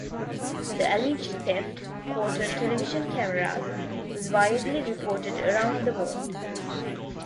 The alleged theft, caught on television cameras, was widely reported around the world.